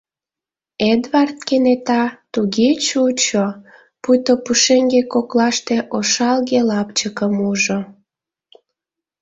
Эдвард кенета туге чучо, пуйто пушеҥге коклаште ошалге лапчыкым ужо.